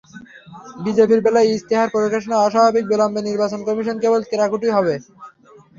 বিজেপির বেলায় ইশতেহার প্রকাশনার অস্বাভাবিক বিলম্বে নির্বাচন কমিশন কেবল ভ্রুকুটি করতে পারে।